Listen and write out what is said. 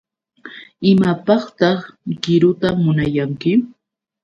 ¿Imapaqtaq qiruta munayanki?